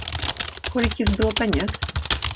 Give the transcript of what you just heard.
Kolik ti zbylo peněz?